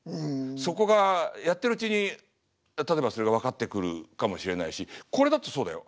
そこがやってるうちに例えばそれが分かってくるかもしれないしこれだってそうだよ。